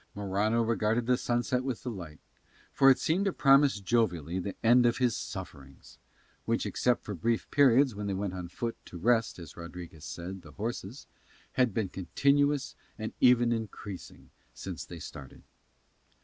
Morano regarded the sunset with delight, for it seemed to promise jovially the end of his sufferings, which except for brief periods when they went on foot, to rest as Rodriguez said the horses, had been continuous and even increasing since they started.